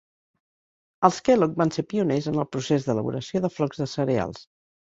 Els Kellogg van ser pioners en el procés d'elaboració de flocs de cereals.